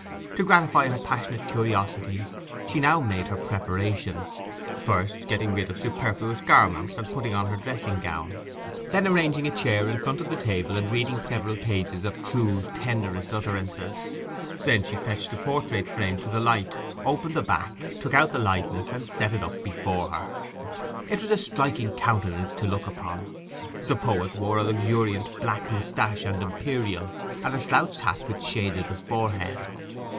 To gratify her passionate curiosity she now made her preparations, first getting rid of superfluous garments and putting on her dressing gown, then arranging a chair in front of the table and reading several pages of Trewe's tenderest utterances. Then she fetched the portrait frame to the light, opened the back, took out the likeness, and set it up before her. It was a striking countenance to look upon. The poet wore a luxuriant black moustache and imperial, and a slouched hat which shaded the forehead.